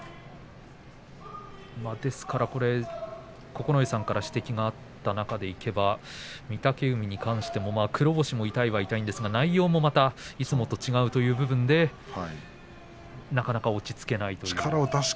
九重さんから指摘があった中でいえば、御嶽海に関しても黒星も痛いんですが内容もまたいつもと違うという部分でなかなか落ち着けないということですね。